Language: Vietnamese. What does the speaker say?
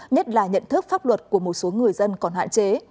nhất là nhận thức pháp luật của một số người dân còn hạn chế